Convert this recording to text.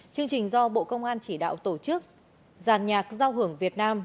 chương trình do bộ công an chỉ đạo tổ chức giàn nhạc giao hưởng việt nam